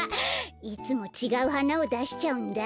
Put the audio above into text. いつもちがうはなをだしちゃうんだ。